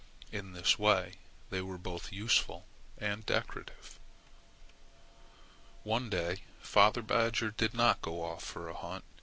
In this way they were both useful and decorative. One day father badger did not go off for a hunt.